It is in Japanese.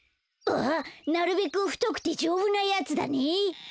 ああなるべくふとくてじょうぶなやつだね。